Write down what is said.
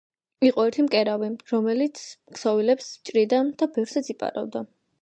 იყო ერთი მკერავი რომელიც ქსოვილებს ჭრიდა და ბევრსაც იპარავდა.